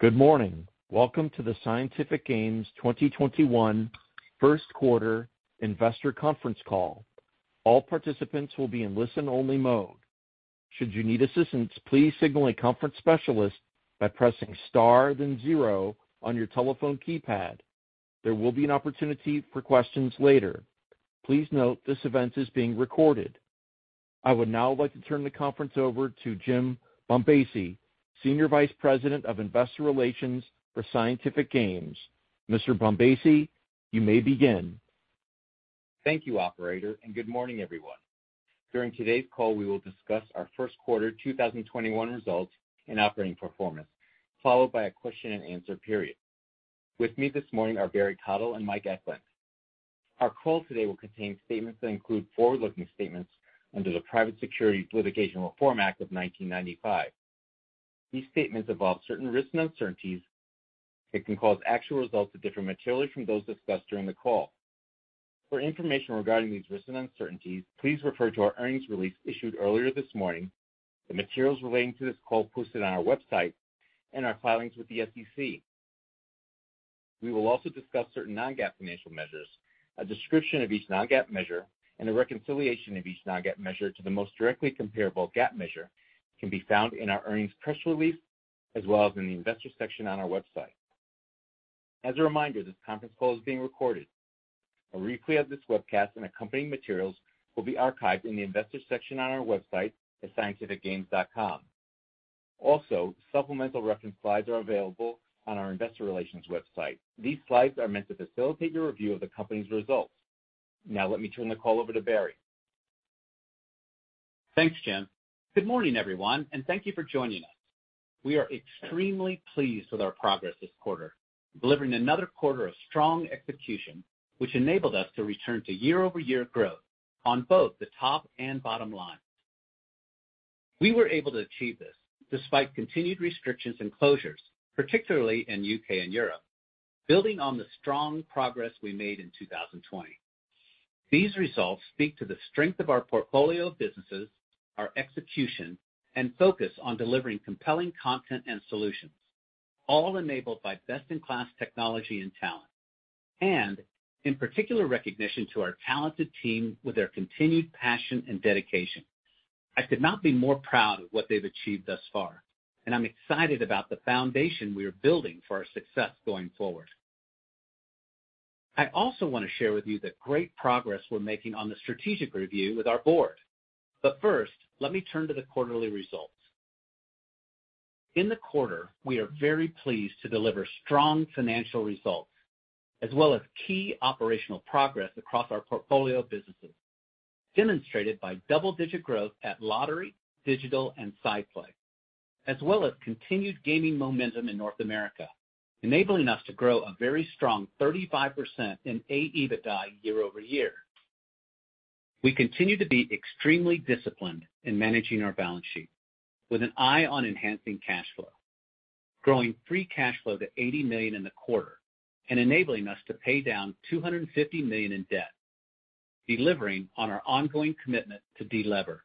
Good morning. Welcome to the Scientific Games 2021 first quarter investor conference call. All participants will be in listen-only mode. Should you need assistance, please signal a conference specialist by pressing star then zero on your telephone keypad. There will be an opportunity for questions later. Please note this event is being recorded. I would now like to turn the conference over to Jim Bombassei, Senior Vice President of Investor Relations for Scientific Games. Mr. Bombassei, you may begin. Thank you, operator, and good morning, everyone. During today's call, we will discuss our first quarter 2021 results and operating performance, followed by a question and answer period. With me this morning are Barry Cottle and Mike Eklund. Our call today will contain statements that include forward-looking statements under the Private Securities Litigation Reform Act of 1995. These statements involve certain risks and uncertainties that can cause actual results to differ materially from those discussed during the call. For information regarding these risks and uncertainties, please refer to our earnings release issued earlier this morning, the materials relating to this call posted on our website, and our filings with the SEC. We will also discuss certain non-GAAP financial measures. A description of each non-GAAP measure and a reconciliation of each non-GAAP measure to the most directly comparable GAAP measure can be found in our earnings press release, as well as in the investor section on our website. As a reminder, this conference call is being recorded. A replay of this webcast and accompanying materials will be archived in the Investors section on our website at scientificgames.com. Also, supplemental reference slides are available on our investor relations website. These slides are meant to facilitate your review of the company's results. Now let me turn the call over to Barry. Thanks, Jim. Good morning, everyone. Thank you for joining us. We are extremely pleased with our progress this quarter, delivering another quarter of strong execution, which enabled us to return to year-over-year growth on both the top and bottom line. We were able to achieve this despite continued restrictions and closures, particularly in U.K. and Europe, building on the strong progress we made in 2020. These results speak to the strength of our portfolio of businesses, our execution, and focus on delivering compelling content and solutions, all enabled by best-in-class technology and talent. In particular recognition to our talented team with their continued passion and dedication. I could not be more proud of what they've achieved thus far, and I'm excited about the foundation we are building for our success going forward. I also want to share with you the great progress we're making on the strategic review with our board. First, let me turn to the quarterly results. In the quarter, we are very pleased to deliver strong financial results, as well as key operational progress across our portfolio of businesses, demonstrated by double-digit growth at lottery, digital, and SciPlay, as well as continued gaming momentum in North America, enabling us to grow a very strong 35% in AEBITDA year-over-year. We continue to be extremely disciplined in managing our balance sheet with an eye on enhancing cash flow, growing free cash flow to $80 million in the quarter and enabling us to pay down $250 million in debt, delivering on our ongoing commitment to de-lever.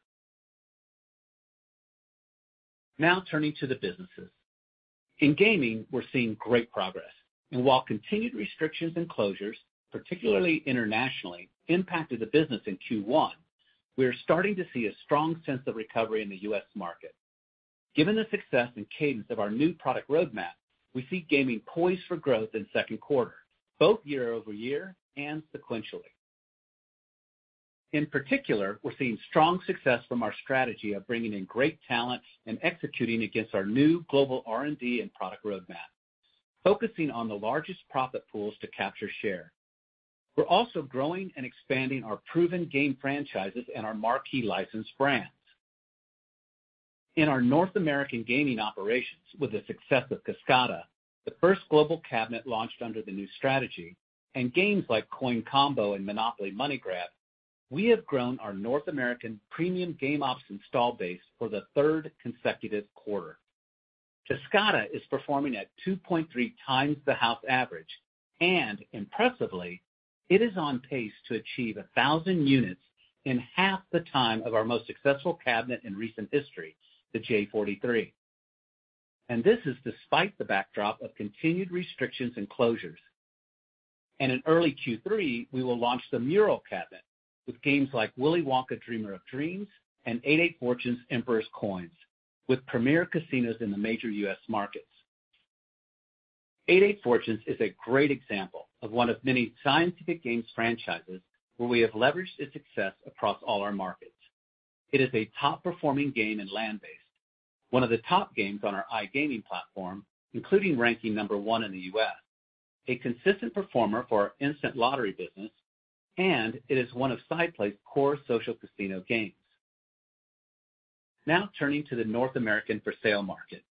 Turning to the businesses. In gaming, we're seeing great progress. While continued restrictions and closures, particularly internationally, impacted the business in Q1, we are starting to see a strong sense of recovery in the U.S. market. Given the success and cadence of our new product roadmap, we see gaming poised for growth in second quarter, both year-over-year and sequentially. In particular, we're seeing strong success from our strategy of bringing in great talent and executing against our new global R&D and product roadmap, focusing on the largest profit pools to capture share. We're also growing and expanding our proven game franchises and our marquee licensed brands. In our North American gaming operations, with the success of Kascada, the first global cabinet launched under the new strategy, and games like Coin Combo and Monopoly Money Grab, we have grown our North American premium game ops install base for the third consecutive quarter. Kascada is performing at 2.3x the house average, impressively, it is on pace to achieve 1,000 units in half the time of our most successful cabinet in recent history, the J43. This is despite the backdrop of continued restrictions and closures. In early Q3, we will launch the Mural cabinet with games like Willy Wonka Dreamer of Dreams and 88 Fortunes Emperor's Coins with premier casinos in the major U.S. markets. 88 Fortunes is a great example of one of many Scientific Games franchises where we have leveraged its success across all our markets. It is a top-performing game in land-based, one of the top games on our iGaming platform, including ranking number one in the U.S., a consistent performer for our instant lottery business, and it is one of SciPlay's core social casino games. Turning to the North American for sale market.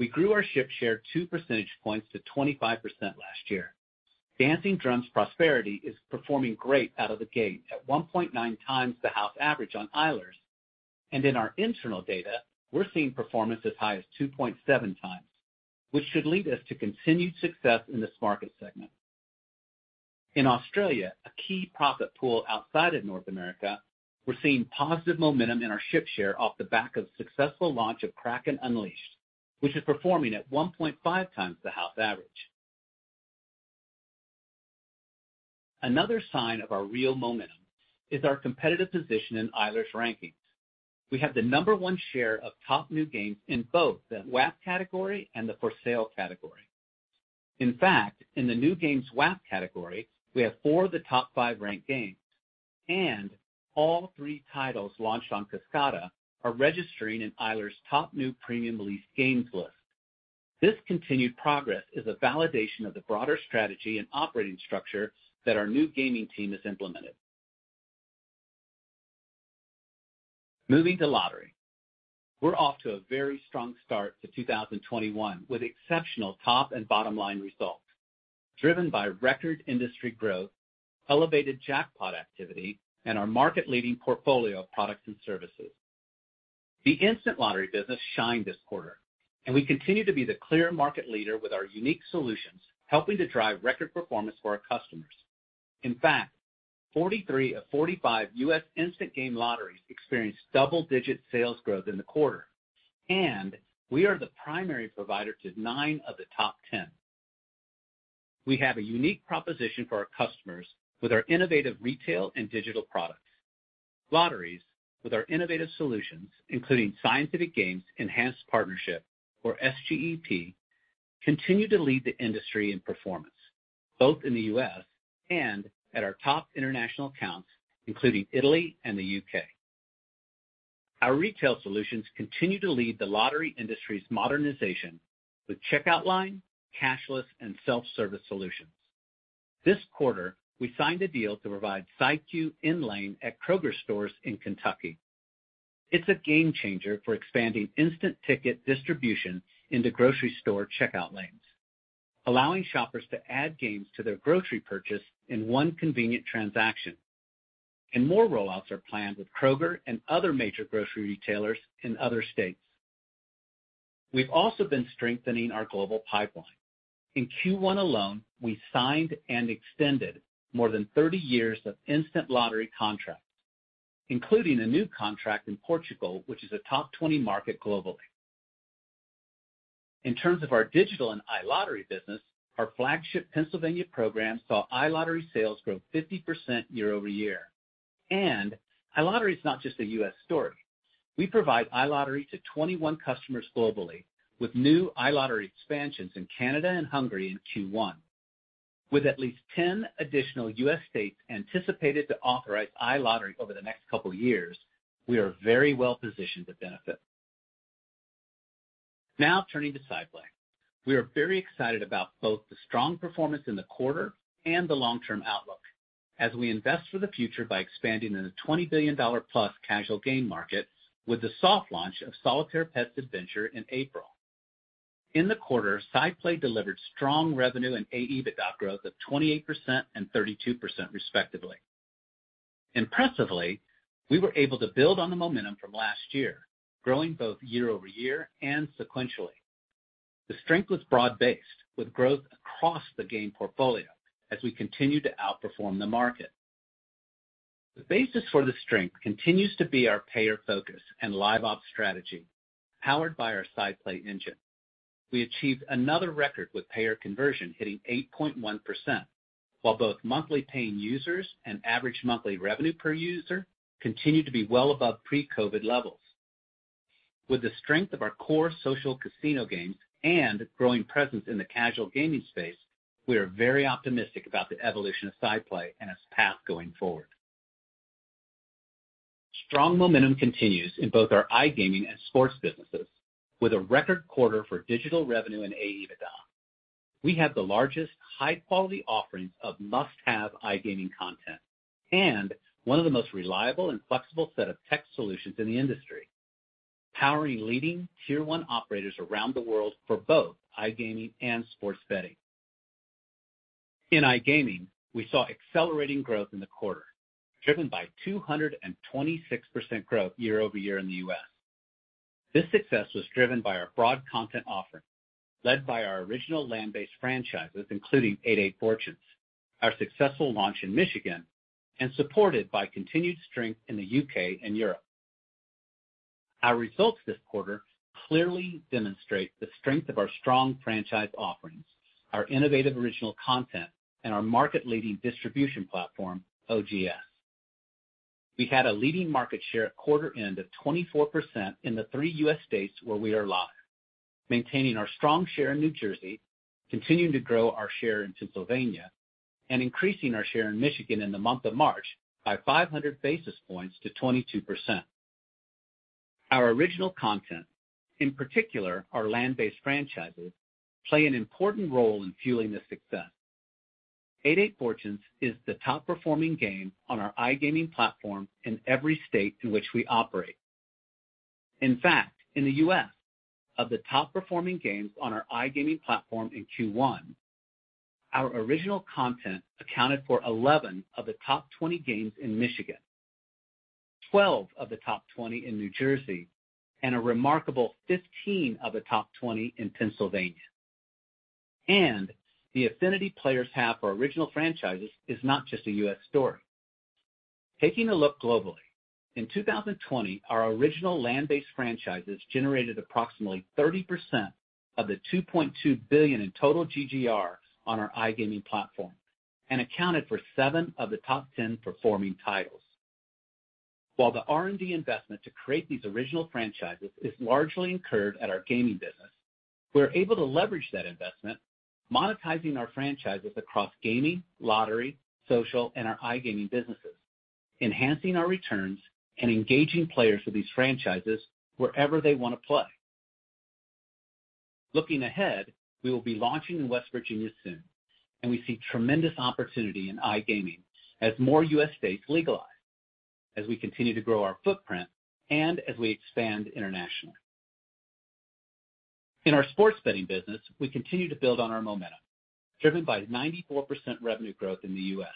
We grew our ship share two percentage points to 25% last year. Dancing Drums Prosperity is performing great out of the gate at 1.9 times the house average on Eilers, and in our internal data, we're seeing performance as high as 2.7x, which should lead us to continued success in this market segment. In Australia, a key profit pool outside of North America, we're seeing positive momentum in our ship share off the back of successful launch of Kraken Unleashed, which is performing at 1.5x the house average. Another sign of our real momentum is our competitive position in Eilers rankings. We have the number one share of top new games in both the WAP category and the for sale category. In the new games WAP category, we have four of the top five ranked games, and all three titles launched on Kascada are registering in Eilers top new premium released games list. This continued progress is a validation of the broader strategy and operating structure that our new gaming team has implemented. Moving to lottery. We're off to a very strong start to 2021, with exceptional top and bottom line results driven by record industry growth, elevated jackpot activity, and our market-leading portfolio of products and services. The instant lottery business shined this quarter, and we continue to be the clear market leader with our unique solutions, helping to drive record performance for our customers. 43 of 45 U.S. instant game lotteries experienced double-digit sales growth in the quarter, and we are the primary provider to nine of the top 10. We have a unique proposition for our customers with our innovative retail and digital products. Lotteries with our innovative solutions, including Scientific Games Enhanced Partnership, or SGEP, continue to lead the industry in performance, both in the U.S. and at our top international accounts, including Italy and the U.K. Our retail solutions continue to lead the lottery industry's modernization with checkout line, cashless and self-service solutions. This quarter, we signed a deal to provide SCiQ InLane at Kroger stores in Kentucky. It's a game changer for expanding instant ticket distribution into grocery store checkout lanes, allowing shoppers to add games to their grocery purchase in one convenient transaction. More rollouts are planned with Kroger and other major grocery retailers in other states. We've also been strengthening our global pipeline. In Q1 alone, we signed and extended more than 30 years of instant lottery contracts, including a new contract in Portugal, which is a top 20 market globally. In terms of our digital and iLottery business, our flagship Pennsylvania program saw iLottery sales grow 50% year-over-year. iLottery is not just a U.S. story. We provide iLottery to 21 customers globally, with new iLottery expansions in Canada and Hungary in Q1. With at least 10 additional U.S. states anticipated to authorize iLottery over the next couple of years, we are very well positioned to benefit. Turning to SciPlay. We are very excited about both the strong performance in the quarter and the long-term outlook as we invest for the future by expanding in a $20 billion plus casual game market with the soft launch of Solitaire Pets Adventure in April. In the quarter, SciPlay delivered strong revenue and AEBITDA growth of 28% and 32% respectively. Impressively, we were able to build on the momentum from last year, growing both year-over-year and sequentially. The strength was broad-based, with growth across the game portfolio as we continue to outperform the market. The basis for the strength continues to be our payer focus and Live Ops strategy, powered by our SciPlay engine. We achieved another record with payer conversion hitting 8.1%, while both monthly paying users and average monthly revenue per user continued to be well above pre-COVID levels. With the strength of our core social casino games and growing presence in the casual gaming space, we are very optimistic about the evolution of SciPlay and its path going forward. Strong momentum continues in both our iGaming and sports businesses with a record quarter for digital revenue and AEBITDA. We have the largest high-quality offerings of must-have iGaming content and one of the most reliable and flexible set of tech solutions in the industry, powering leading tier one operators around the world for both iGaming and sports betting. In iGaming, we saw accelerating growth in the quarter, driven by 226% growth year-over-year in the U.S. This success was driven by our broad content offering, led by our original land-based franchises, including 88 Fortunes, our successful launch in Michigan, and supported by continued strength in the U.K. and Europe. Our results this quarter clearly demonstrate the strength of our strong franchise offerings, our innovative original content, and our market-leading distribution platform, OGS. We had a leading market share at quarter end of 24% in the three U.S. states where we are live, maintaining our strong share in New Jersey, continuing to grow our share in Pennsylvania, and increasing our share in Michigan in the month of March by 500 basis points to 22%. Our original content, in particular our land-based franchises, play an important role in fueling this success. 88 Fortunes is the top-performing game on our iGaming platform in every state in which we operate. In fact, in the U.S., of the top-performing games on our iGaming platform in Q1, our original content accounted for 11 of the top 20 games in Michigan, 12 of the top 20 in New Jersey and a remarkable 15 of the top 20 in Pennsylvania. The affinity players have for original franchises is not just a U.S. story. Taking a look globally, in 2020, our original land-based franchises generated approximately 30% of the $2.2 billion in total GGR on our iGaming platform and accounted for seven of the top 10 performing titles. While the R&D investment to create these original franchises is largely incurred at our gaming business, we're able to leverage that investment, monetizing our franchises across gaming, lottery, social, and our iGaming businesses, enhancing our returns and engaging players with these franchises wherever they want to play. Looking ahead, we will be launching in West Virginia soon, and we see tremendous opportunity in iGaming as more U.S. states legalize, as we continue to grow our footprint, and as we expand internationally. In our sports betting business, we continue to build on our momentum, driven by 94% revenue growth in the U.S.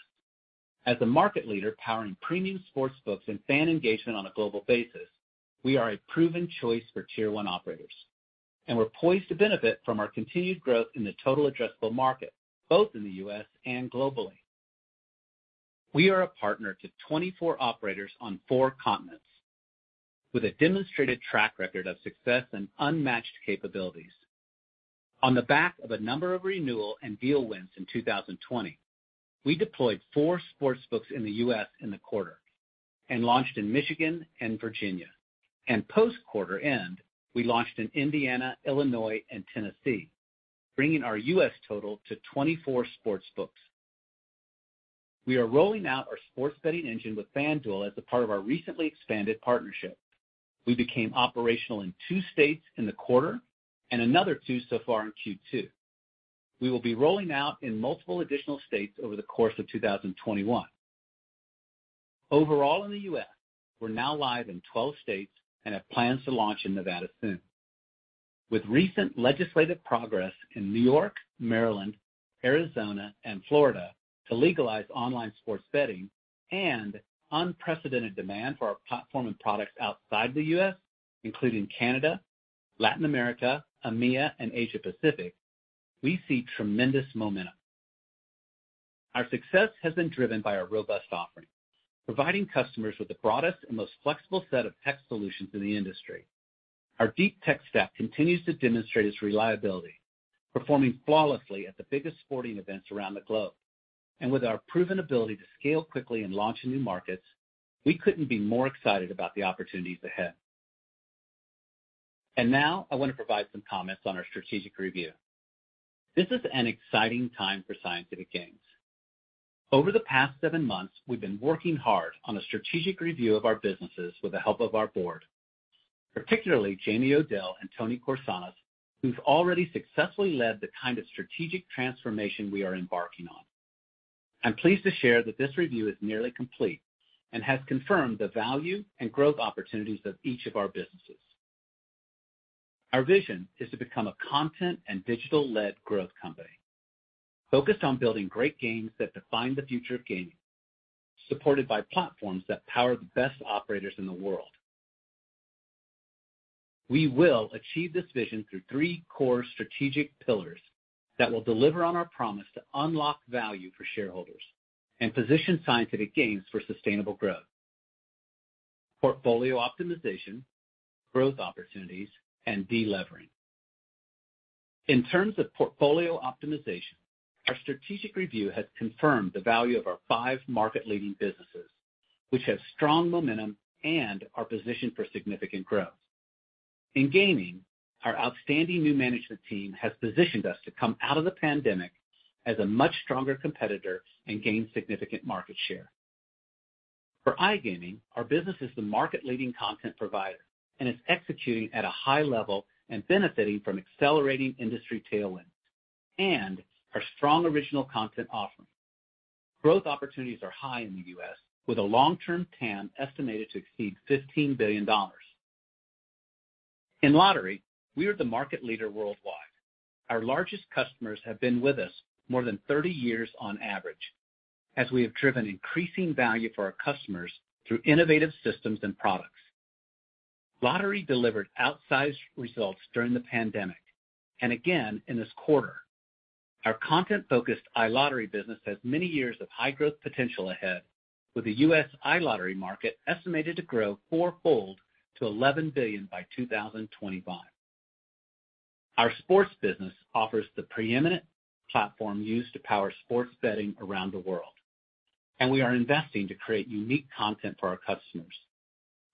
As a market leader powering premium sports books and fan engagement on a global basis, we are a proven choice for tier one operators. We're poised to benefit from our continued growth in the total addressable market, both in the U.S. and globally. We are a partner to 24 operators on four continents with a demonstrated track record of success and unmatched capabilities. On the back of a number of renewal and deal wins in 2020, we deployed four sports books in the U.S. in the quarter and launched in Michigan and Virginia. Post-quarter end, we launched in Indiana, Illinois, and Tennessee, bringing our U.S. total to 24 sports books. We are rolling out our sports betting engine with FanDuel as a part of our recently expanded partnership. We became operational in two states in the quarter and another two so far in Q2. We will be rolling out in multiple additional states over the course of 2021. Overall in the U.S., we're now live in 12 states and have plans to launch in Nevada soon. With recent legislative progress in New York, Maryland, Arizona, and Florida to legalize online sports betting and unprecedented demand for our platform and products outside the U.S., including Canada, Latin America, EMEA, and Asia Pacific, we see tremendous momentum. Our success has been driven by our robust offering, providing customers with the broadest and most flexible set of tech solutions in the industry. Our deep tech stack continues to demonstrate its reliability, performing flawlessly at the biggest sporting events around the globe. With our proven ability to scale quickly and launch in new markets, we couldn't be more excited about the opportunities ahead. Now I want to provide some comments on our strategic review. This is an exciting time for Scientific Games. Over the past seven months, we've been working hard on a strategic review of our businesses with the help of our board, particularly Jamie Odell and Toni Korsanos, who's already successfully led the kind of strategic transformation we are embarking on. I'm pleased to share that this review is nearly complete and has confirmed the value and growth opportunities of each of our businesses. Our vision is to become a content and digital-led growth company, focused on building great games that define the future of gaming, supported by platforms that power the best operators in the world. We will achieve this vision through three core strategic pillars that will deliver on our promise to unlock value for shareholders and position Scientific Games for sustainable growth. Portfolio optimization, growth opportunities, and delevering. In terms of portfolio optimization, our strategic review has confirmed the value of our five market-leading businesses, which have strong momentum and are positioned for significant growth. In gaming, our outstanding new management team has positioned us to come out of the pandemic as a much stronger competitor and gain significant market share. For iGaming, our business is the market-leading content provider and is executing at a high level and benefiting from accelerating industry tailwinds and our strong original content offering. Growth opportunities are high in the U.S., with a long-term TAM estimated to exceed $15 billion. In lottery, we are the market leader worldwide. Our largest customers have been with us more than 30 years on average, as we have driven increasing value for our customers through innovative systems and products. Lottery delivered outsized results during the pandemic, and again in this quarter. Our content-focused iLottery business has many years of high-growth potential ahead with the U.S. iLottery market estimated to grow four-fold to $11 billion by 2025. Our sports business offers the preeminent platform used to power sports betting around the world, and we are investing to create unique content for our customers.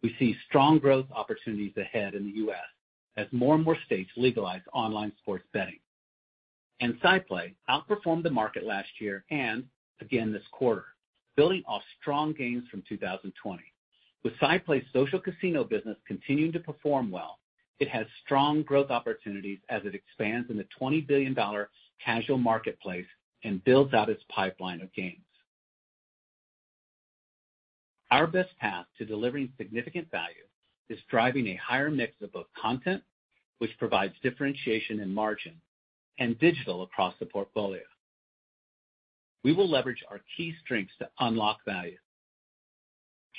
We see strong growth opportunities ahead in the U.S. as more and more states legalize online sports betting. SciPlay outperformed the market last year and again this quarter, building off strong gains from 2020. With SciPlay's social casino business continuing to perform well, it has strong growth opportunities as it expands in the $20 billion casual marketplace and builds out its pipeline of games. Our best path to delivering significant value is driving a higher mix of both content, which provides differentiation and margin, and digital across the portfolio. We will leverage our key strengths to unlock value.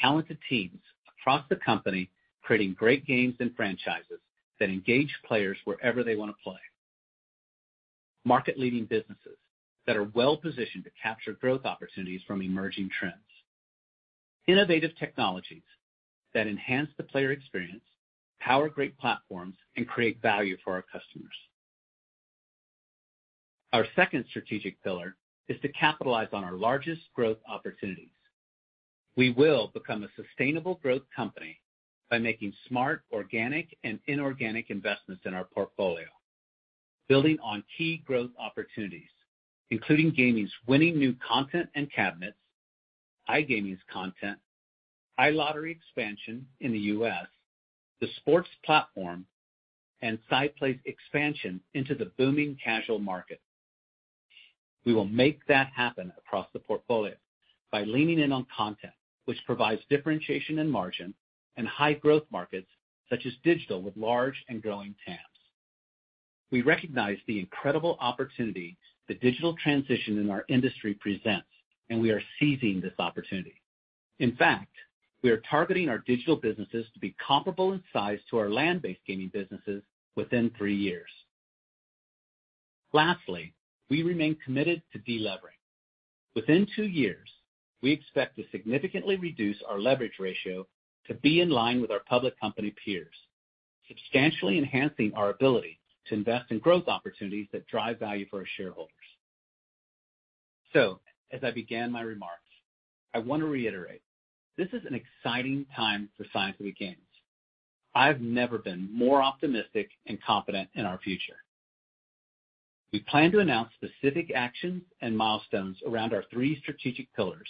Talented teams across the company creating great games and franchises that engage players wherever they want to play. Market-leading businesses that are well-positioned to capture growth opportunities from emerging trends. Innovative technologies that enhance the player experience, power great platforms, and create value for our customers. Our second strategic pillar is to capitalize on our largest growth opportunities. We will become a sustainable growth company by making smart organic and inorganic investments in our portfolio, building on key growth opportunities, including gaming's winning new content and cabinets, iGaming's content, iLottery expansion in the U.S., the sports platform, and SciPlay expansion into the booming casual market. We will make that happen across the portfolio by leaning in on content, which provides differentiation and margin in high-growth markets such as digital with large and growing TAMs. We recognize the incredible opportunity the digital transition in our industry presents, and we are seizing this opportunity. In fact, we are targeting our digital businesses to be comparable in size to our land-based gaming businesses within three years. Lastly, we remain committed to delevering. Within two years, we expect to significantly reduce our leverage ratio to be in line with our public company peers, substantially enhancing our ability to invest in growth opportunities that drive value for our shareholders. As I began my remarks, I want to reiterate, this is an exciting time for Scientific Games. I've never been more optimistic and confident in our future. We plan to announce specific actions and milestones around our three strategic pillars,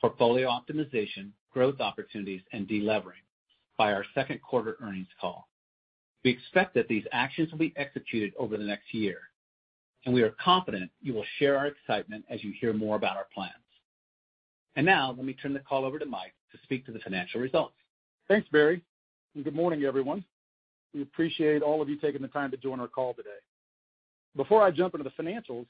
portfolio optimization, growth opportunities, and delevering by our second quarter earnings call. We expect that these actions will be executed over the next year, and we are confident you will share our excitement as you hear more about our plans. Now, let me turn the call over to Mike to speak to the financial results. Thanks, Barry, and good morning, everyone. We appreciate all of you taking the time to join our call today. Before I jump into the financials,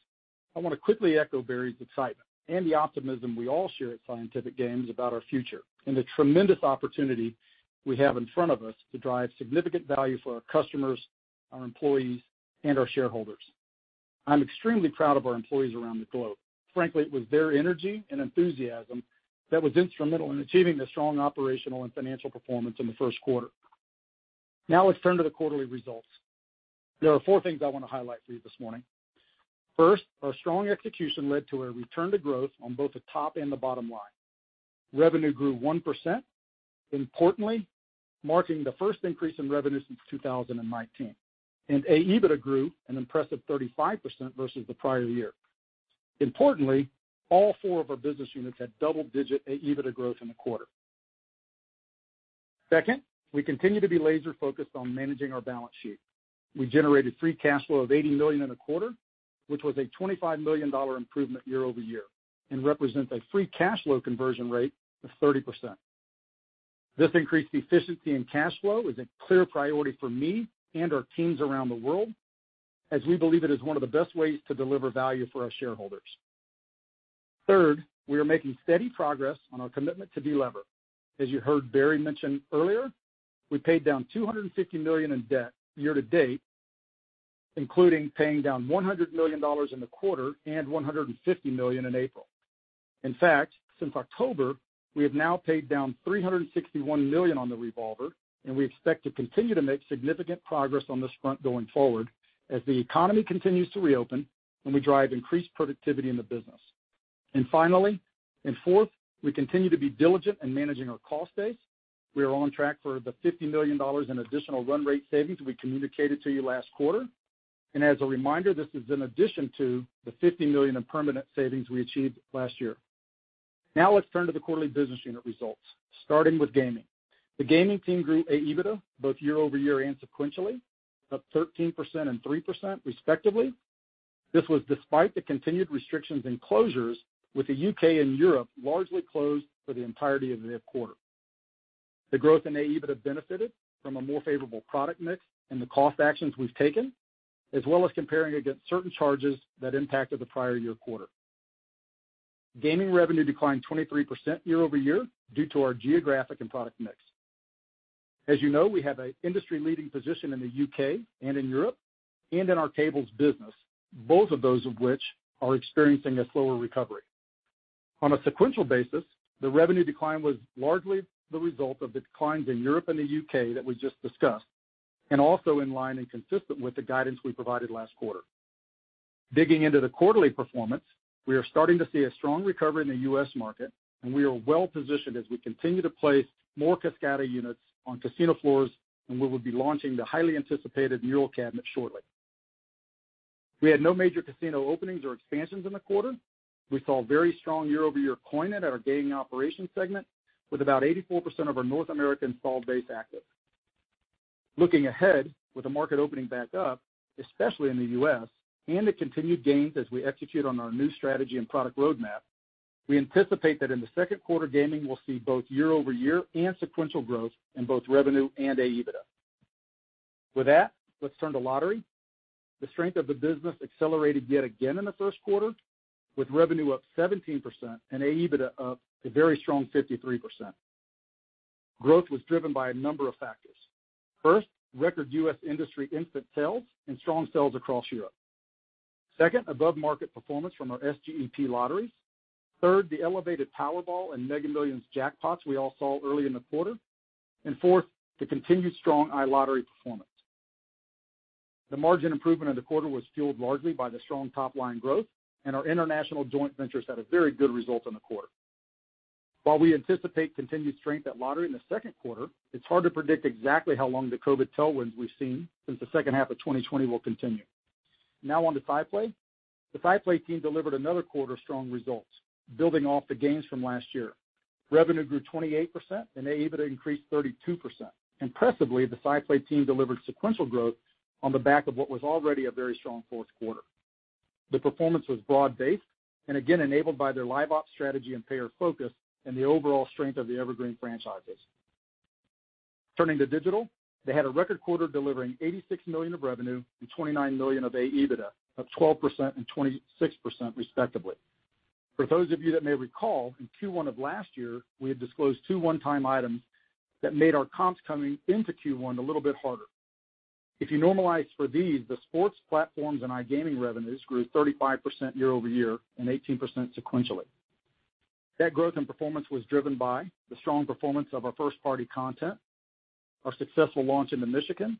I want to quickly echo Barry's excitement and the optimism we all share at Scientific Games about our future and the tremendous opportunity we have in front of us to drive significant value for our customers, our employees, and our shareholders. I'm extremely proud of our employees around the globe. Frankly, it was their energy and enthusiasm that was instrumental in achieving the strong operational and financial performance in the first quarter. Now let's turn to the quarterly results. There are four things I want to highlight for you this morning. First, our strong execution led to a return to growth on both the top and the bottom line. Revenue grew 1%, importantly, marking the first increase in revenue since 2019, and AEBITDA grew an impressive 35% versus the prior year. Importantly, all four of our business units had double-digit AEBITDA growth in the quarter. Second, we continue to be laser-focused on managing our balance sheet. We generated free cash flow of $80 million in the quarter, which was a $25 million improvement year-over-year and represents a free cash flow conversion rate of 30%. This increased efficiency in cash flow is a clear priority for me and our teams around the world, as we believe it is one of the best ways to deliver value for our shareholders. Third, we are making steady progress on our commitment to delever. As you heard Barry mention earlier, we paid down $250 million in debt year-to-date, including paying down $100 million in the quarter and $150 million in April. In fact, since October, we have now paid down $361 million on the revolver, and we expect to continue to make significant progress on this front going forward as the economy continues to reopen and we drive increased productivity in the business. Finally, and fourth, we continue to be diligent in managing our cost base. We are on track for the $50 million in additional run rate savings we communicated to you last quarter. As a reminder, this is in addition to the $50 million in permanent savings we achieved last year. Now let's turn to the quarterly business unit results, starting with gaming. The gaming team grew AEBITDA both year-over-year and sequentially, up 13% and 3% respectively. This was despite the continued restrictions and closures with the U.K. and Europe largely closed for the entirety of the quarter. The growth in AEBITDA benefited from a more favorable product mix and the cost actions we've taken, as well as comparing against certain charges that impacted the prior year quarter. Gaming revenue declined 23% year-over-year due to our geographic and product mix. As you know, we have an industry-leading position in the U.K. and in Europe and in our table games business, both of those of which are experiencing a slower recovery. On a sequential basis, the revenue decline was largely the result of the declines in Europe and the U.K. that we just discussed, and also in line and consistent with the guidance we provided last quarter. Digging into the quarterly performance, we are starting to see a strong recovery in the U.S. market, and we are well-positioned as we continue to place more Kascada units on casino floors, and we will be launching the highly anticipated Mural cabinet shortly. We had no major casino openings or expansions in the quarter. We saw very strong year-over-year coin in our gaming operations segment, with about 84% of our North American install base active. Looking ahead, with the market opening back up, especially in the U.S., and the continued gains as we execute on our new strategy and product roadmap, we anticipate that in the second quarter, gaming will see both year-over-year and sequential growth in both revenue and AEBITDA. With that, let's turn to Lottery. The strength of the business accelerated yet again in the first quarter, with revenue up 17% and AEBITDA up a very strong 53%. Growth was driven by a number of factors. First, record U.S. industry instant sales and strong sales across Europe. Second, above-market performance from our SGEP lotteries. Third, the elevated Powerball and Mega Millions jackpots we all saw early in the quarter. Fourth, the continued strong iLottery performance. The margin improvement in the quarter was fueled largely by the strong top-line growth, and our international joint ventures had a very good result in the quarter. While we anticipate continued strength at Lottery in the second quarter, it's hard to predict exactly how long the COVID tailwinds we've seen since the second half of 2020 will continue. Now on to SciPlay. The SciPlay team delivered another quarter of strong results, building off the gains from last year. Revenue grew 28%, and AEBITDA increased 32%. Impressively, the SciPlay team delivered sequential growth on the back of what was already a very strong fourth quarter. The performance was broad-based and again enabled by their live ops strategy and payer focus and the overall strength of the evergreen franchises. Turning to digital, they had a record quarter delivering $86 million of revenue and $29 million of AEBITDA, up 12% and 26% respectively. For those of you that may recall, in Q1 of last year, we had disclosed two one-time items that made our comps coming into Q1 a little bit harder. If you normalize for these, the sports platforms and iGaming revenues grew 35% year-over-year and 18% sequentially. That growth and performance was driven by the strong performance of our first-party content, our successful launch into Michigan,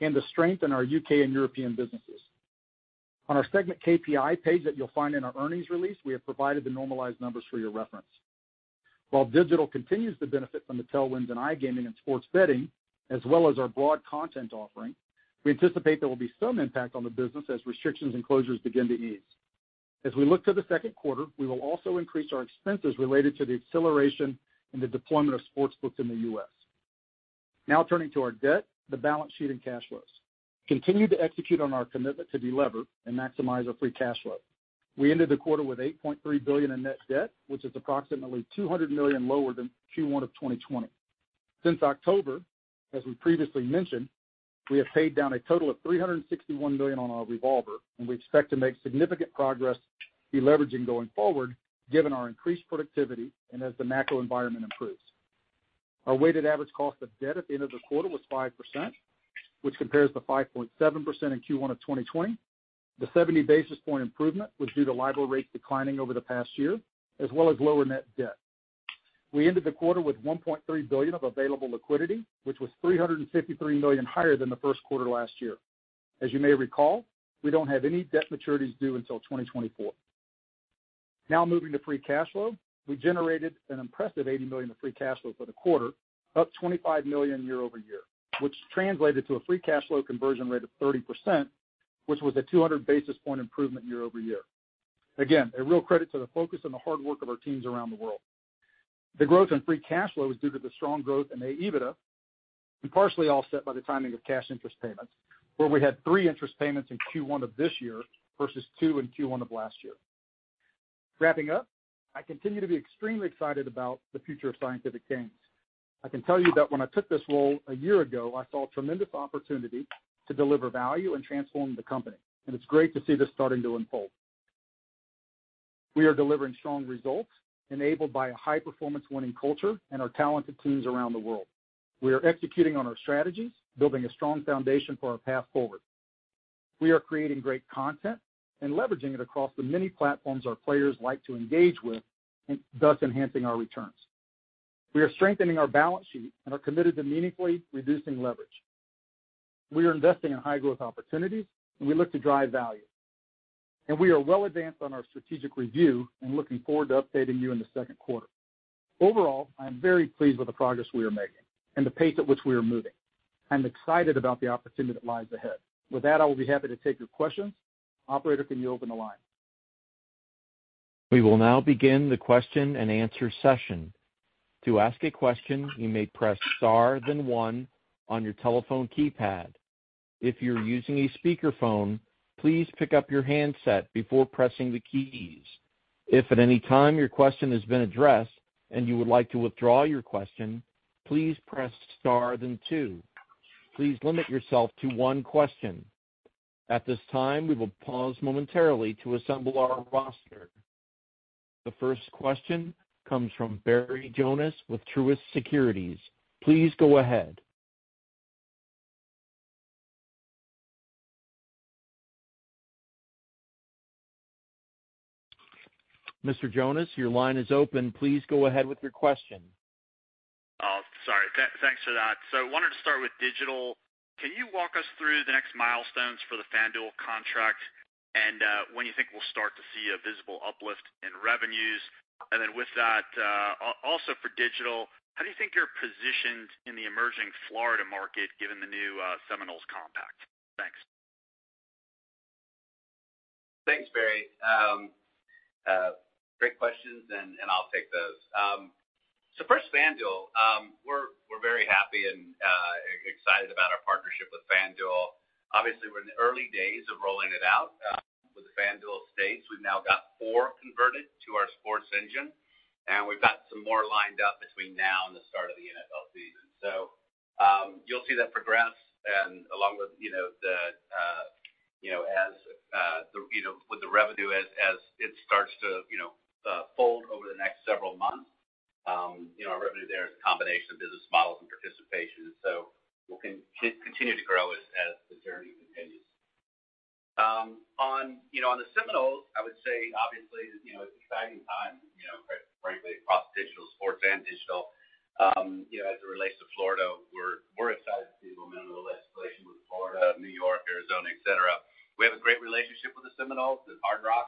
and the strength in our U.K. and European businesses. On our segment KPI page that you'll find in our earnings release, we have provided the normalized numbers for your reference. While digital continues to benefit from the tailwinds in iGaming and sports betting, as well as our broad content offering, we anticipate there will be some impact on the business as restrictions and closures begin to ease. As we look to the second quarter, we will also increase our expenses related to the acceleration and the deployment of sports books in the U.S. Now turning to our debt, the balance sheet, and cash flows. We continued to execute on our commitment to delever and maximize our free cash flow. We ended the quarter with $8.3 billion in net debt, which is approximately $200 million lower than Q1 of 2020. Since October, as we previously mentioned, we have paid down a total of $361 million on our revolver, and we expect to make significant progress deleveraging going forward given our increased productivity and as the macro environment improves. Our weighted average cost of debt at the end of the quarter was 5%, which compares to 5.7% in Q1 of 2020. The 70-basis-point improvement was due to LIBOR rates declining over the past year as well as lower net debt. We ended the quarter with $1.3 billion of available liquidity, which was $353 million higher than the first quarter last year. As you may recall, we don't have any debt maturities due until 2024. Moving to free cash flow. We generated an impressive $80 million of free cash flow for the quarter, up $25 million year-over-year, which translated to a free cash flow conversion rate of 30%, which was a 200-basis-point improvement year-over-year. A real credit to the focus and the hard work of our teams around the world. The growth in free cash flow is due to the strong growth in AEBITDA and partially offset by the timing of cash interest payments, where we had three interest payments in Q1 of this year versus two in Q1 of last year. Wrapping up, I continue to be extremely excited about the future of Scientific Games. I can tell you that when I took this role a year ago, I saw tremendous opportunity to deliver value and transform the company, and it's great to see this starting to unfold. We are delivering strong results enabled by a high-performance winning culture and our talented teams around the world. We are executing on our strategies, building a strong foundation for our path forward. We are creating great content and leveraging it across the many platforms our players like to engage with and thus enhancing our returns. We are strengthening our balance sheet and are committed to meaningfully reducing leverage. We are investing in high-growth opportunities, and we look to drive value. We are well advanced on our strategic review and looking forward to updating you in the second quarter. Overall, I am very pleased with the progress we are making and the pace at which we are moving. I'm excited about the opportunity that lies ahead. With that, I will be happy to take your questions. Operator, can you open the line? The first question comes from Barry Jonas with Truist Securities. Please go ahead. Mr. Jonas, your line is open. Please go ahead with your question. Oh, sorry. Thanks for that. I wanted to start with digital. Can you walk us through the next milestones for the FanDuel contract and when you think we'll start to see a visible uplift in revenues? With that, also for digital, how do you think you're positioned in the emerging Florida market given the new Seminoles compact? Thanks. Thanks, Barry. Great questions, and I'll take those. First, FanDuel. We're very happy and excited about our partnership with FanDuel. Obviously, we're in the early days of rolling it out. States. We've now got four converted to our sports engine, and we've got some more lined up between now and the start of the NFL season. You'll see that progress and along with the revenue as it starts to fold over the next several months. Our revenue there is a combination of business models and participation, so we'll continue to grow as the journey continues. On the Seminoles, I would say, obviously, it's an exciting time quite frankly, across digital sports and digital as it relates to Florida, we're excited to see momentum legislation with Florida, New York, Arizona, et cetera. We have a great relationship with the Seminoles, with Hard Rock.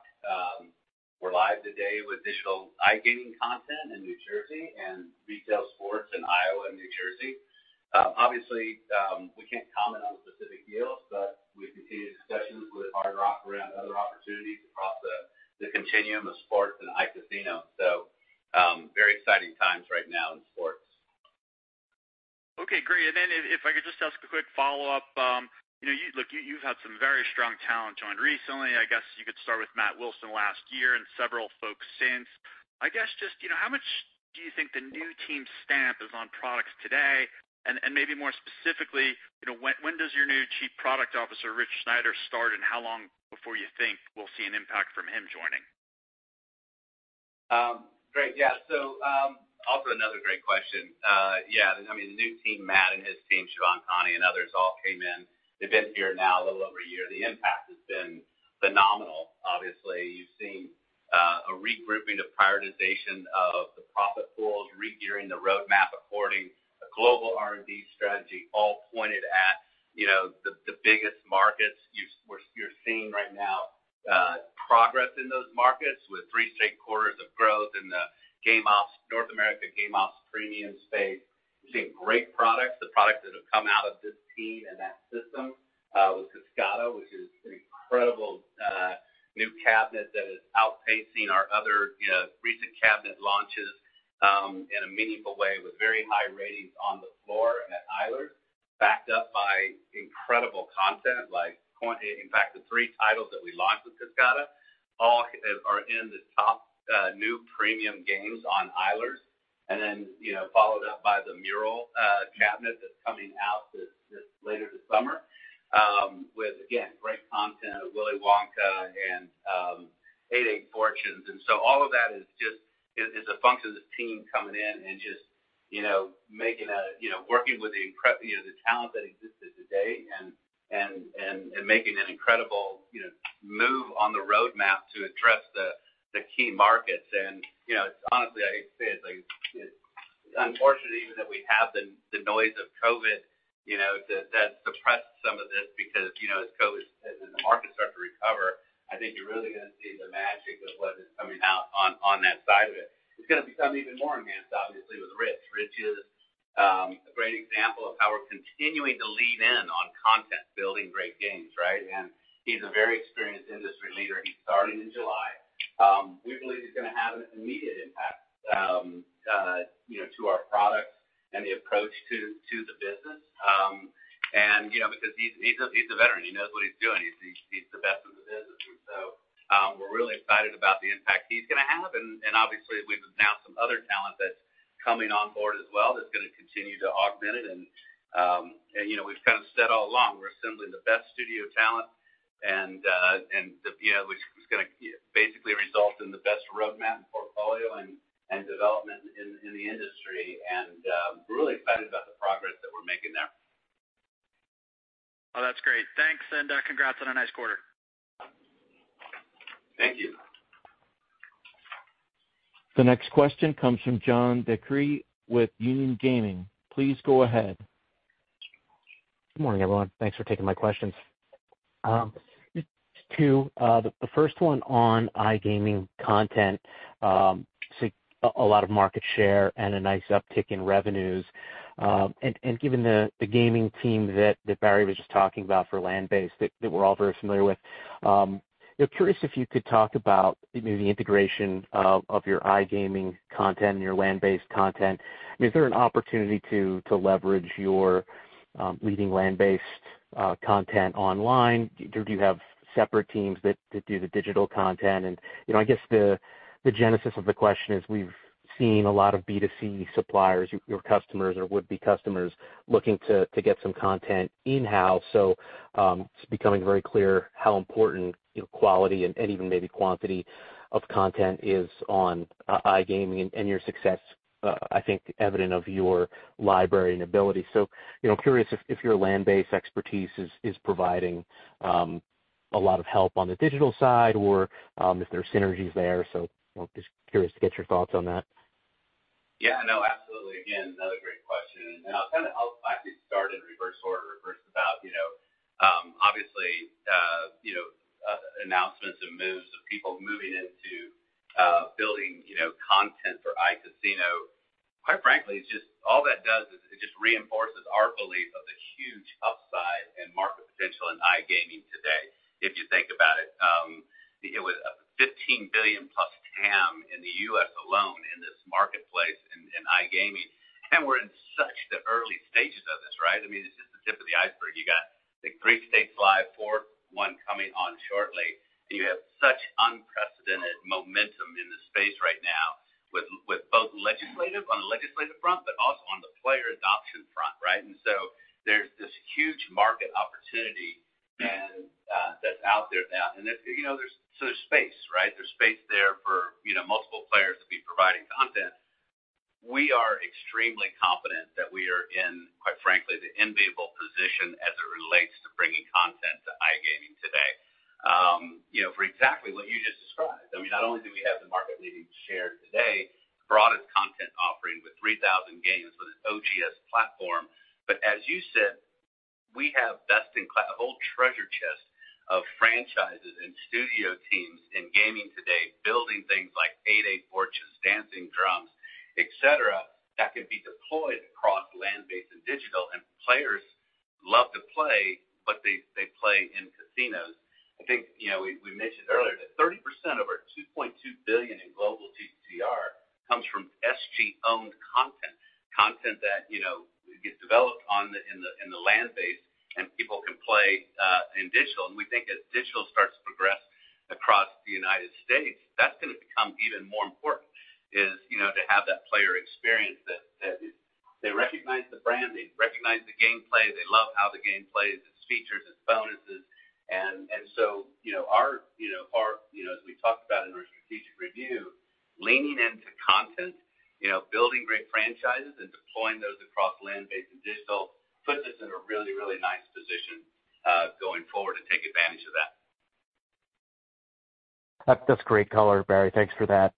We're live today with digital iGaming content in New Jersey and retail sports in Iowa and New Jersey. Obviously, we can't comment on specific deals, but we continue the discussions with Hard Rock around other opportunities across the continuum of sports and iCasino. Very exciting times right now in sports. Okay, great. If I could just ask a quick follow-up. Look, you've had some very strong talent join recently. I guess you could start with Matt Wilson last year and several folks since. I guess just, how much do you think the new team stamp is on products today? Maybe more specifically, when does your new Chief Product Officer, Rich Schneider, start, and how long before you think we'll see an impact from him joining? Great. Yeah. Also another great question. The new team, Matt and his team, Siobhan, Connie, and others all came in. They've been here now a little over a year. The impact has been phenomenal. Obviously, you've seen a regrouping, a prioritization of the profit pools, regearing the roadmap accordingly, a global R&D strategy all pointed at the biggest markets. You're seeing right now progress in those markets with three straight quarters of growth in the North America game ops premium space. You're seeing great products, the products that have come out of this team and that system with Kascada, which is an incredible new cabinet that is outpacing our other recent cabinet launches in a meaningful way with very high ratings on the floor and at Eilers, backed up by incredible content like-- In fact, the three titles that we launched with Kascada all are in the top new premium games on Eilers. Followed up by the Mural cabinet that's coming out this later this summer with, again, great content of Willy Wonka and 88 Fortunes. All of that is a function of the team coming in and just working with the talent that existed today and making an incredible move on the roadmap to address the key markets. Honestly, I say it's unfortunate even that we have the noise of COVID that suppressed some of this because as COVID and the markets start to recover, I think you're really going to see the magic of what is coming out on that side of it. It's going to become even more enhanced, obviously, with Rich. Rich is a great example of how we're continuing to lean in on content, building great games, right? He's a very experienced industry leader, and he's starting in July. We believe he's going to have an immediate impact to our products and the approach to the business. He's a veteran, he knows what he's doing. He's the best in the business. We're really excited about the impact he's going to have. Obviously, we've announced some other talent that's coming on board as well that's going to continue to augment it. We've kind of said all along, we're assembling the best studio talent, which is going to basically result in the best roadmap and portfolio and development in the industry. We're really excited about the progress that we're making there. Oh, that's great. Thanks, and congrats on a nice quarter. Thank you. The next question comes from John DeCree with Union Gaming. Please go ahead. Good morning, everyone. Thanks for taking my questions. Just two. The first one on iGaming content. See a lot of market share and a nice uptick in revenues. Given the gaming team that Barry was just talking about for land-based that we're all very familiar with, curious if you could talk about maybe the integration of your iGaming content and your land-based content. I mean, is there an opportunity to leverage your leading land-based content online? Do you have separate teams that do the digital content? I guess the genesis of the question is we've seen a lot of B2C suppliers, your customers or would-be customers looking to get some content in-house. It's becoming very clear how important quality and even maybe quantity of content is on iGaming and your success, I think, evident of your library and ability. Curious if your land-based expertise is providing a lot of help on the digital side or if there's synergies there. Just curious to get your thoughts on that. No, absolutely. Another great question. I'll actually start in reverse order. Reverse about obviously, announcements and moves of people moving into building content for iCasino. Quite frankly, all that does is it just reinforces our belief of the huge upside and market potential in iGaming today, if you think about it. With a $15 billion+ TAM in the U.S. alone, we're in such the early stages of this, right? It's just the tip of the iceberg. You got three states live, fourth one coming on shortly. You have such unprecedented momentum in the space right now with both legislative, on the legislative front, but also on the player adoption front, right? There's this huge market opportunity, and that's out there now. There's space, right? There's space there for multiple players to be providing content. We are extremely confident that we are in, quite frankly, the enviable position as it relates to bringing content to iGaming today. For exactly what you just described. Not only do we have the market-leading share today, broadest content offering with 3,000 games with an OGS platform, but as you said, we have best-in-class, a whole treasure chest of franchises and studio teams in gaming today, building things like 88 Fortunes, Dancing Drums, et cetera, that can be deployed across land-based and digital, and players love to play, but they play in casinos. I think, we mentioned earlier that 30% of our $2.2 billion in global GGR comes from SG-owned content. Content that gets developed in the land base and people can play, in digital. We think as digital starts to progress across the United States, that's going to become even more important is, to have that player experience that they recognize the brand, they recognize the gameplay, they love how the game plays, its features, its bonuses. As we talked about in our strategic review, leaning into content, building great franchises and deploying those across land-based and digital puts us in a really, really nice position, going forward to take advantage of that. That's great color, Barry. Thanks for that.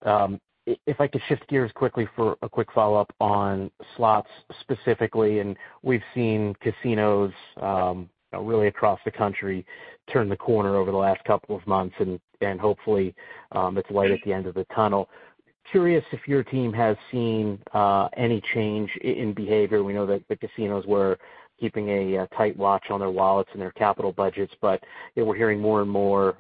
If I could shift gears quickly for a quick follow-up on slots specifically, we've seen casinos, really across the country turn the corner over the last couple of months and, hopefully, it's light at the end of the tunnel. Curious if your team has seen any change in behavior. We know that the casinos were keeping a tight watch on their wallets and their capital budgets, we're hearing more and more,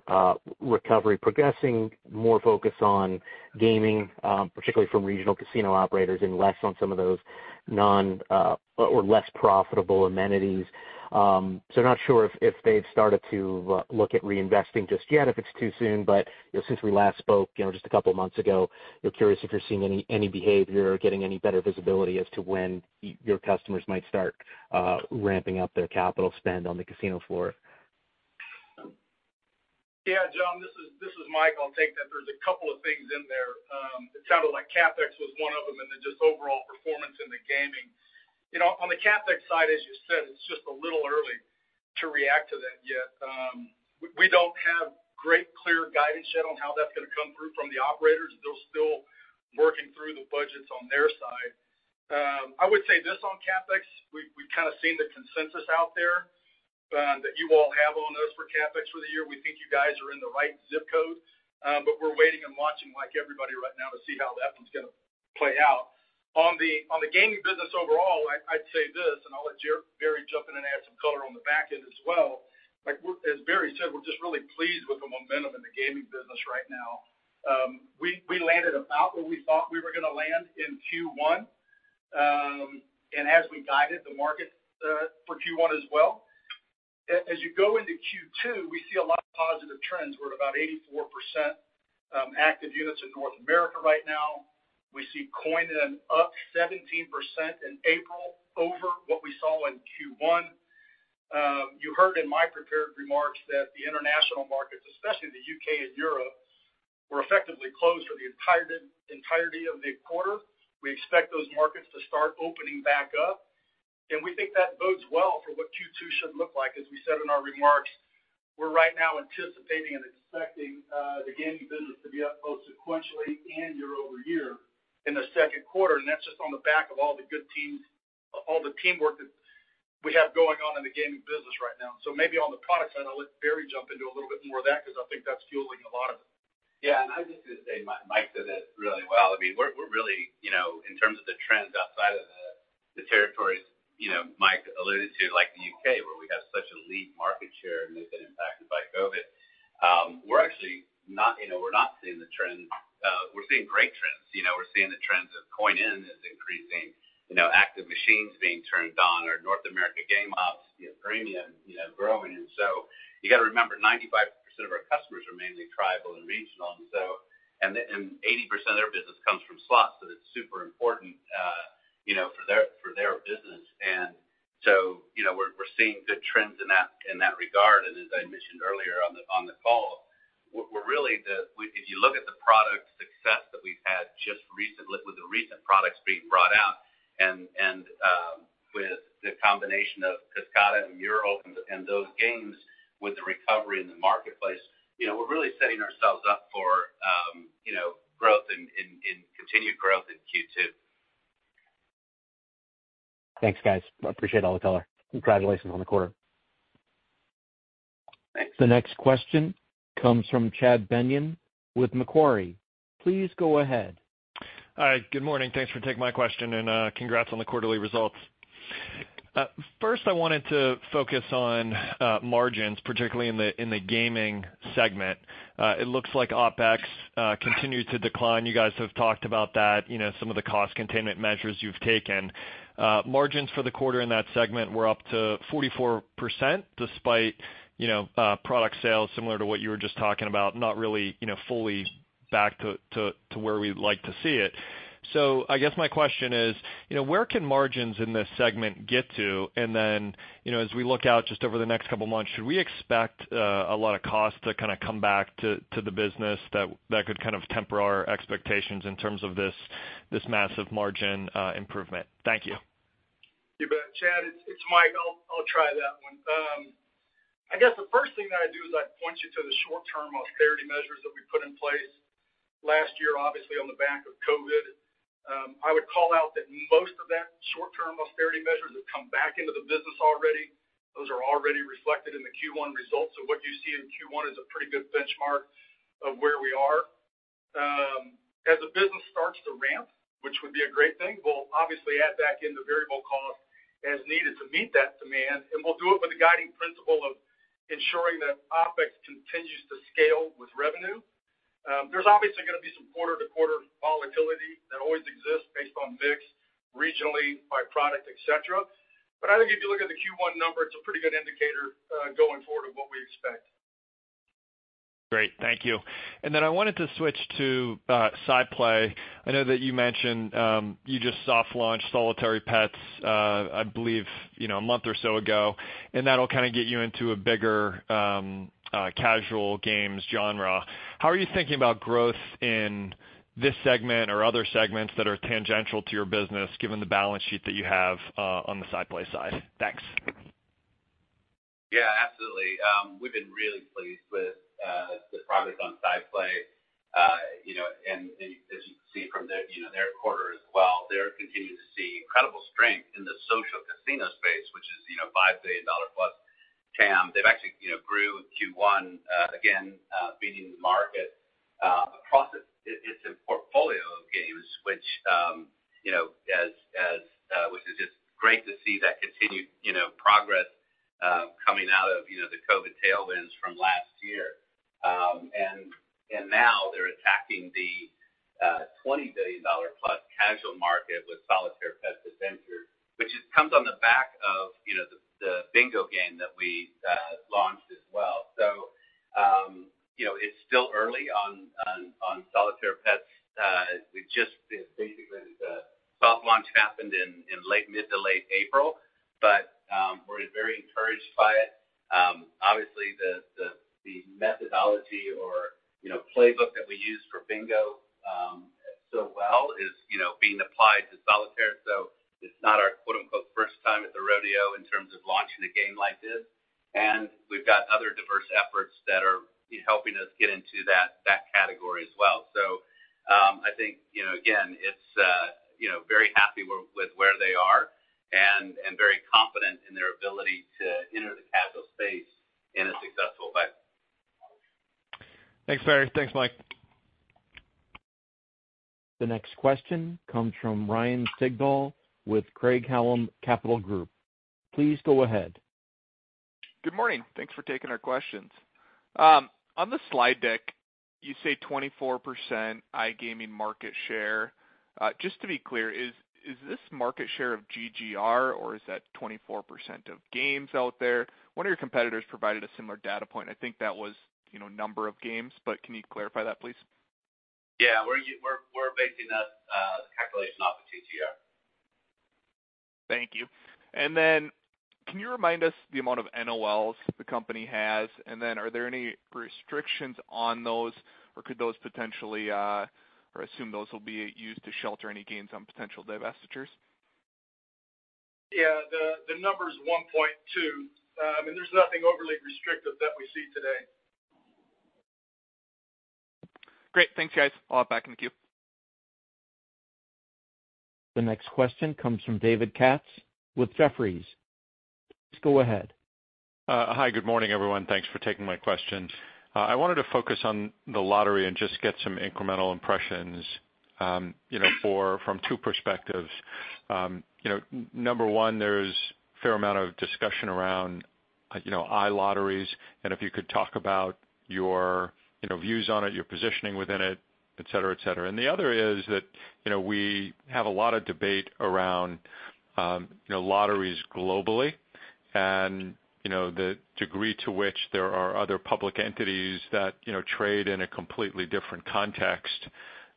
recovery progressing, more focus on gaming, particularly from regional casino operators and less on some of those non- or less profitable amenities. Not sure if they've started to look at reinvesting just yet, if it's too soon, but since we last spoke just a couple of months ago, curious if you're seeing any behavior or getting any better visibility as to when your customers might start ramping up their capital spend on the casino floor? John, this is Mike. I'll take that. There's a couple of things in there. It sounded like CapEx was one of them, just overall performance in the gaming. On the CapEx side, as you said, it's just a little early to react to that yet. We don't have great, clear guidance yet on how that's going to come through from the operators. They're still working through the budgets on their side. I would say this on CapEx, we've kind of seen the consensus out there, that you all have on those for CapEx for the year. We think you guys are in the right zip code. We're waiting and watching like everybody right now to see how that one's going to play out. On the gaming business overall, I'd say this, and I'll let Barry jump in and add some color on the back end as well. As Barry said, we're just really pleased with the momentum in the gaming business right now. We landed about where we thought we were going to land in Q1, and as we guided the market, for Q1 as well. As you go into Q2, we see a lot of positive trends. We're at about 84% active units in North America right now. We see coin-in up 17% in April over what we saw in Q1. You heard in my prepared remarks that the international markets, especially the U.K. and Europe, were effectively closed for the entirety of the quarter. We expect those markets to start opening back up, and we think that bodes well for what Q2 should look like. As we said in our remarks, we're right now anticipating and expecting the gaming business to be up both sequentially and year-over-year in the second quarter, and that's just on the back of all the good teams, all the teamwork that we have going on in the gaming business right now. Maybe on the product side, I'll let Barry jump into a little bit more of that, because I think that's fueling a lot of it. I was just going to say, Mike did it really well. We're really, in terms of the trends outside of the territories Mike alluded to, like the U.K. where we have such a lead market share and they've been impacted by COVID. We're seeing great trends. We're seeing the trends of coin-in is increasing, active machines being turned on. Our North America game ops premium growing. You got to remember, 95% of our customers are mainly tribal and regional. 80% of their business comes from slots, it's super important for their business. We're seeing good trends in that regard. As I mentioned earlier on the call, if you look at the product success that we've had just recently with the recent products being brought out and, with the combination of Kascada and Mural and those games with the recovery in the marketplace, we're really setting ourselves up for continued growth in Q2. Thanks, guys. I appreciate all the color. Congratulations on the quarter. Thanks. The next question comes from Chad Beynon with Macquarie. Please go ahead. Hi. Good morning. Thanks for taking my question and, congrats on the quarterly results. First, I wanted to focus on margins, particularly in the gaming segment. It looks like OpEx continued to decline. You guys have talked about that, some of the cost containment measures you've taken. Margins for the quarter in that segment were up to 44% despite product sales similar to what you were just talking about, not really fully back to where we'd like to see it. I guess my question is, where can margins in this segment get to? As we look out just over the next couple of months, should we expect a lot of costs to kind of come back to the business that could kind of temper our expectations in terms of this massive margin improvement? Thank you. You bet, Chad. It's Mike. I'll try that one. I guess the first thing that I'd do is I'd point you to the short-term austerity measures that we put in place last year, obviously on the back of COVID. I would call out that most of that short-term austerity measures have come back into the business already. Those are already reflected in the Q1 results. What you see in Q1 is a pretty good benchmark of where we are. As the business starts to ramp, which would be a great thing, we'll obviously add back in the variable cost as needed to meet that demand, and we'll do it with the guiding principle of ensuring that OpEx continues to scale with revenue. There's obviously going to be some quarter-to-quarter volatility that always exists based on mix regionally by product, et cetera. I think if you look at the Q1 number, it's a pretty good indicator, going forward, of what we expect. Great. Thank you. Then I wanted to switch to SciPlay. I know that you mentioned you just soft launched Solitaire Pets, I believe a month or so ago, and that'll kind of get you into a bigger casual games genre. How are you thinking about growth in this segment or other segments that are tangential to your business, given the balance sheet that you have on the SciPlay side? Thanks. Yeah, absolutely. We've been really pleased with the progress on SciPlay. As you can see from their quarter as well, they're continuing to see incredible strength in the social casino space, which is $5 billion+ TAM. They've actually grew Q1, again, beating the market across its portfolio of games, which is just great to see that continued progress coming out of the COVID tailwinds from last year. Now they're attacking the $20 billion+ casual market with Solitaire Pets Adventure, which comes on the back of the Bingo game that we launched as well. It's still early on Solitaire Pets. Basically, the soft launch happened in mid to late April, but we're very encouraged by it. Obviously, the methodology or playbook that we used for Bingo so well is being applied to Solitaire, so it's not our "first time at the rodeo" in terms of launching a game like this. We've got other diverse efforts that are helping us get into that category as well. I think, again, it's very happy with where they are and very confident in their ability to enter the casual space in a successful way. Thanks, Barry. Thanks, Mike. The next question comes from Ryan Sigdahl with Craig-Hallum Capital Group. Please go ahead. Good morning. Thanks for taking our questions. On the slide deck, you say 24% iGaming market share. Just to be clear, is this market share of GGR, or is that 24% of games out there? One of your competitors provided a similar data point. I think that was number of games, but can you clarify that, please? Yeah. We're basing that calculation off of GGR. Thank you. Can you remind us the amount of NOLs the company has, are there any restrictions on those, or could those or assume those will be used to shelter any gains on potential divestitures? The number is 1.2, and there's nothing overly restrictive that we see today. Great. Thanks, guys. I'll hop back in the queue. The next question comes from David Katz with Jefferies. Please go ahead. Hi. Good morning, everyone. Thanks for taking my questions. I wanted to focus on the lottery and just get some incremental impressions from two perspectives. Number one, there's a fair amount of discussion around iLotteries, if you could talk about your views on it, your positioning within it, et cetera. The other is that we have a lot of debate around lotteries globally and the degree to which there are other public entities that trade in a completely different context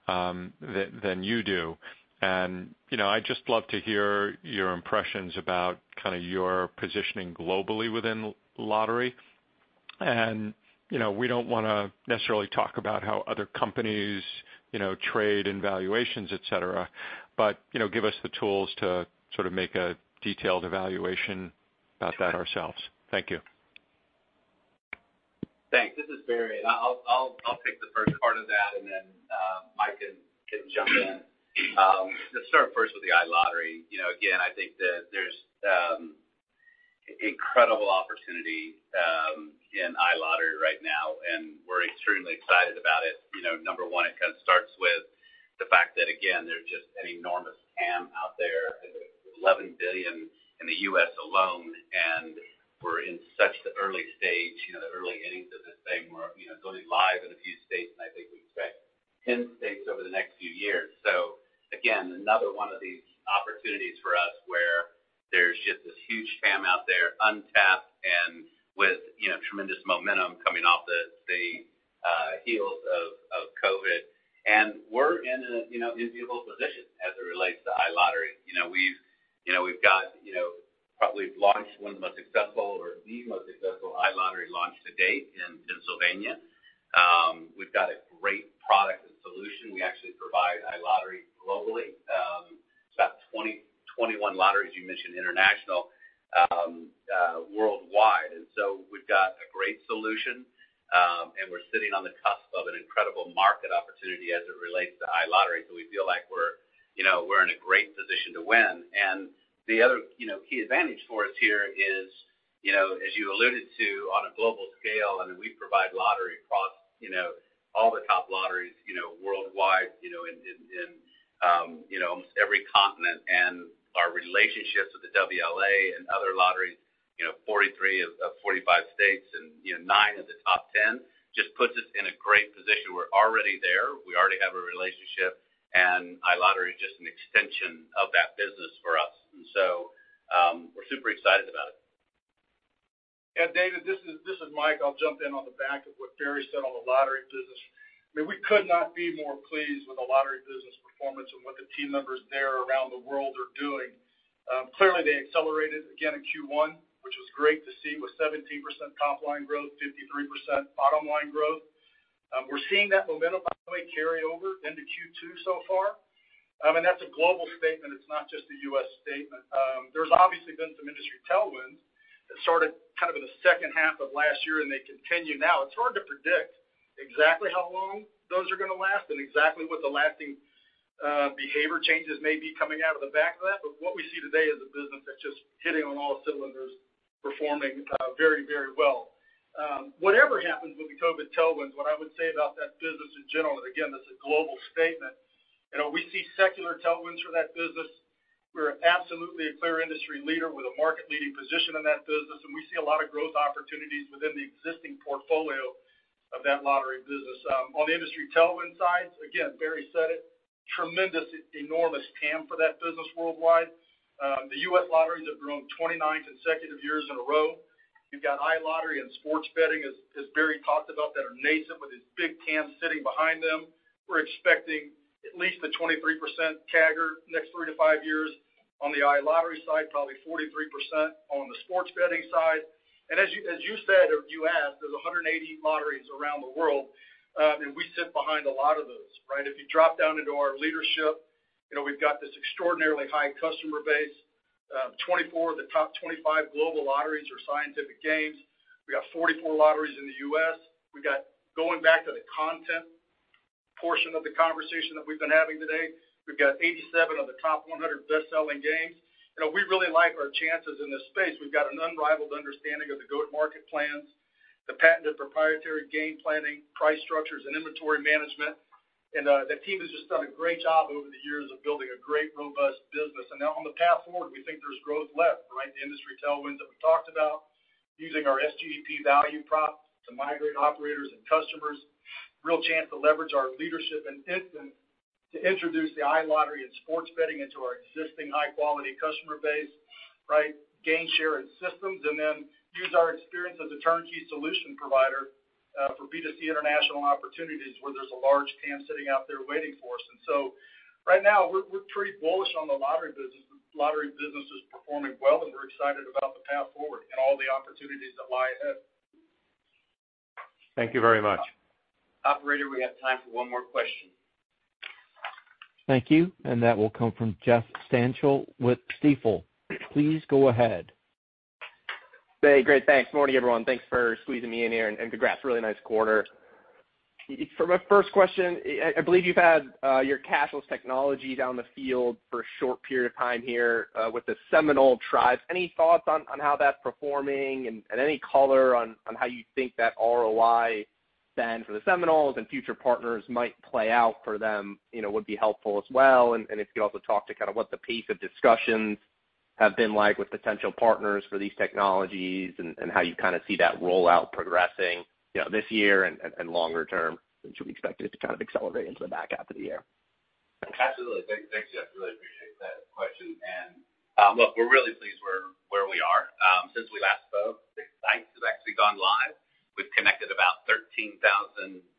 than you do. I'd just love to hear your impressions about kind of your positioning globally within lottery. We don't want to necessarily talk about how other companies trade and valuations, et cetera, but give us the tools to sort of make a detailed evaluation about that ourselves. Thank you. Thanks. This is Barry. I'll take the first part of that, and then Mike can jump in. Let's start first with the iLottery. Again, I think that there's incredible opportunity in iLottery right now, and we're extremely excited about it. Number one, it kind of starts with the fact that, again, there's just an enormous TAM out there, $11 billion in the U.S. alone, and we're in such the early stage, the early innings of this thing. We're going live in a few states, and I think we expect 10 states over the next few years. Again, another one of these opportunities for us where there's just this huge TAM out there, untapped and with tremendous momentum coming off the heels of COVID. We're in an enviable position as it relates to iLottery. We've probably launched one of the most successful or the most successful iLottery launch to date in Pennsylvania. We've got a great product and solution. We actually provide iLottery globally. It's about 20, 21 lotteries, you mentioned international, worldwide. We've got a great solution, and we're sitting on the cusp of an incredible market opportunity as it relates to iLottery. We feel like we're in a great position to win. The other key advantage for us here is, as you alluded to, on a global scale, and we provide lottery across all the top lotteries worldwide in every continent. Our relationships with the WLA and other lotteries, 43 of 45 states and nine of the top 10 just puts us in a great position. We're already there. We already have a relationship, and iLottery is just an extension of that business for us. We're super excited about it. Yeah, David, this is Mike. I'll jump in on the back of what Barry said on the lottery business. I mean, we could not be more pleased with the lottery business performance and what the team members there around the world are doing. Clearly they accelerated again in Q1, which was great to see, with 17% top-line growth, 53% bottom-line growth. We're seeing that momentum probably carry over into Q2 so far. That's a global statement, it's not just a U.S. statement. There's obviously been some industry tailwinds that started kind of in the second half of last year, and they continue now. It's hard to predict exactly how long those are going to last and exactly what the lasting behavior changes may be coming out of the back of that. What we see today is a business that's just hitting on all cylinders, performing very well. Whatever happens with the COVID tailwinds, what I would say about that business in general, and again, this is a global statement, we see secular tailwinds for that business. We're absolutely a clear industry leader with a market-leading position in that business, and we see a lot of growth opportunities within the existing portfolio of that lottery business. On the industry tailwind side, again, Barry said it, tremendous, enormous TAM for that business worldwide. The U.S. lotteries have grown 29 consecutive years in a row. You've got iLottery and sports betting, as Barry talked about, that are nascent with these big TAMs sitting behind them. We're expecting at least the 23% CAGR next three to five years on the iLottery side, probably 43% on the sports betting side. As you said or you asked, there's 180 lotteries around the world, and we sit behind a lot of those, right? If you drop down into our leadership, we've got this extraordinarily high customer base. 24 of the top 25 global lotteries are Scientific Games. We got 44 lotteries in the U.S. We got, going back to the content portion of the conversation that we've been having today, we've got 87 of the top 100 best-selling games. We really like our chances in this space. We've got an unrivaled understanding of the go-to-market plans, the patented proprietary game planning, prize structures, and inventory management. The team has just done a great job over the years of building a great, robust business. Now on the path forward, we think there's growth left, right? The industry tailwinds that we've talked about, using our SGEP value prop to migrate operators and customers, real chance to leverage our leadership in instant to introduce the iLottery and sports betting into our existing high-quality customer base, right? Gain share in systems, and then use our experience as a turnkey solution provider for B2C international opportunities where there's a large TAM sitting out there waiting for us. Right now, we're pretty bullish on the lottery business. Lottery business is performing well, and we're excited about the path forward and all the opportunities that lie ahead. Thank you very much. Operator, we have time for one more question. Thank you. That will come from Jeff Stantial from Stifel. Please go ahead. Hey, great. Thanks. Morning, everyone. Thanks for squeezing me in here, and congrats. Really nice quarter. For my first question, I believe you've had your cashless technology down in the field for a short period of time here with the Seminole Tribe. Any thoughts on how that's performing and any color on how you think that ROI then for the Seminoles and future partners might play out for them, would be helpful as well. If you could also talk to kind of what the pace of discussions have been like with potential partners for these technologies and how you kind of see that rollout progressing this year and longer term, when should we expect it to kind of accelerate into the back half of the year? Absolutely. Thank you, Jeff, really appreciate that question. Look, we're really pleased where we are. Since we last spoke, six sites have actually gone live. We've connected about 13,000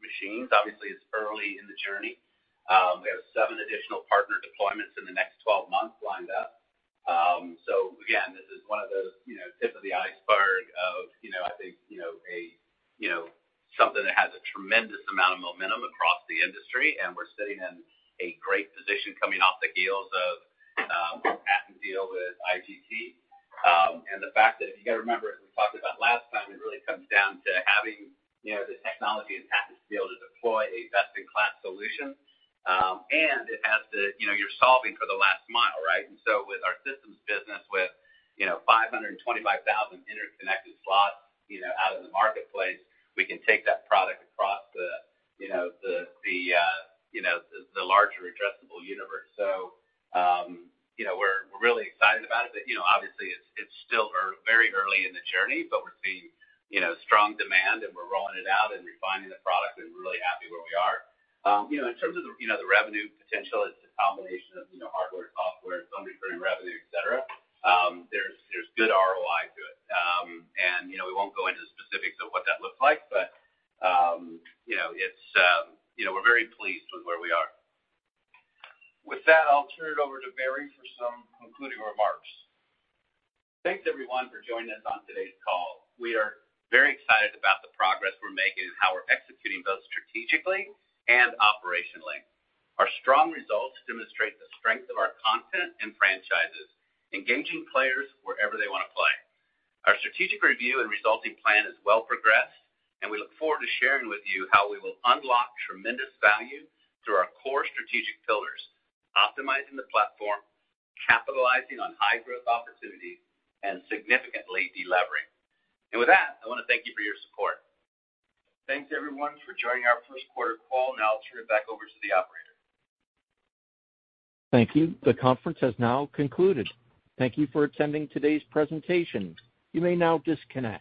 machines. Obviously, it's early in the journey. We have seven additional partner deployments in the next 12 months lined up. Again, this is one of those tip of the iceberg of I think something that has a tremendous amount of momentum across the industry, and we're sitting in a great position coming off the heels of the patent deal with IGT. The fact that if you got to remember, as we talked about last time, it really comes down to having the technology and patents to be able to deploy a best-in-class solution. You're solving for the last mile, right? With our systems business with 525,000 interconnected slots out in the marketplace, we can take that product across the larger addressable universe. We're really excited about it. Obviously it's still very early in the journey, but we're seeing strong demand, and we're rolling it out and refining the product, and we're really happy where we are. In terms of the revenue potential, it's a combination of hardware, software, some recurring revenue, et cetera. There's good ROI to it. We won't go into the specifics of what that looks like, but we're very pleased with where we are. With that, I'll turn it over to Barry for some concluding remarks. Thanks, everyone, for joining us on today's call. We are very excited about the progress we're making and how we're executing both strategically and operationally. Our strong results demonstrate the strength of our content and franchises, engaging players wherever they want to play. Our strategic review and resulting plan is well progressed, and we look forward to sharing with you how we will unlock tremendous value through our core strategic pillars, optimizing the platform, capitalizing on high-growth opportunities, and significantly delevering. With that, I want to thank you for your support. Thanks, everyone, for joining our first quarter call. Now I'll turn it back over to the operator. Thank you. The conference has now concluded. Thank you for attending today's presentation. You may now disconnect.